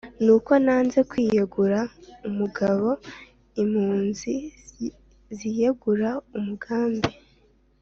nuko nanze kwiyegura umugabo impunzi ziyegura umugambi